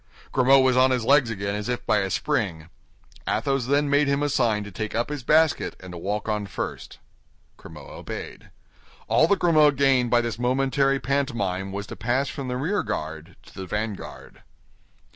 Grimaud was on his legs again as if by a spring. Athos then made him a sign to take up his basket and to walk on first. Grimaud obeyed. All that Grimaud gained by this momentary pantomime was to pass from the rear guard to the vanguard.